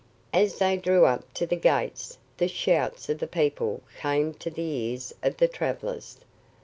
As they drew up to the gates the shouts of the people came to the ears of the travelers.